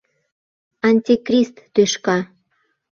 — Антикрист тӱшка!